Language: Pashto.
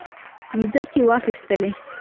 مځکې واخیستلې.